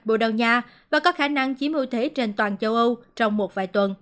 bồ đào nha và có khả năng chiếm ưu thế trên toàn châu âu trong một vài tuần